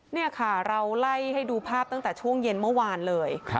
นี่ค่ะเราไล่ให้ดูภาพตั้งแต่ช่วงเย็นเมื่อวานเลย